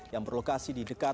yang berlokasi di dengkai